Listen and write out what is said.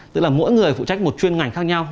tức là mỗi người phụ trách một chuyên ngành khác nhau